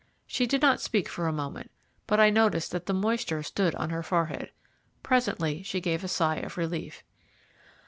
She did not speak for a moment, but I noticed that the moisture stood on her forehead. Presently she gave a sigh of relief.